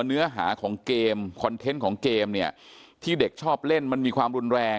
เนื้อหาของเกมคอนเทนต์ของเกมเนี่ยที่เด็กชอบเล่นมันมีความรุนแรง